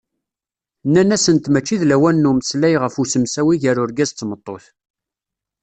Nnan-asent mačči d lawan n umeslay ɣef usemsawi gar urgaz d tmeṭṭut.